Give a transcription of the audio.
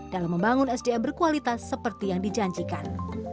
dalam membangun sdm berkualitas seperti yang dijanjikan